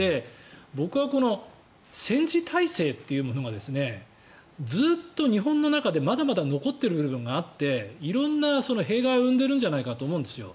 僕はこの戦時体制というものがずっと日本の中でまだまだ残っているのがあって色んな弊害を生んでいるんじゃないかと思うんですよ。